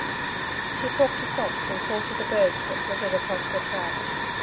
She talked to Socks and called to the birds that flitted across the track.